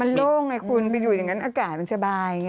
มันโล่งไหมคุณอยู่อย่างนั้นอากาศมันสบาย